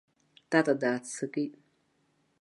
Тата дааццакит.